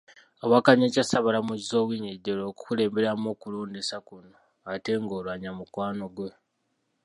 Awakanya ekya Ssaabalamuzi Owiny Dollo okukulemberamu okulondesa kuno ate nga Oulanyah mukwano gwe .